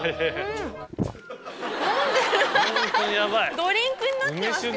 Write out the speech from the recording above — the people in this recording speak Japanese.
ドリンクになってますけど。